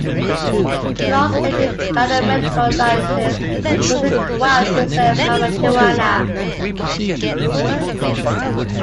The law stated that a medical license was required to sell mamajuana.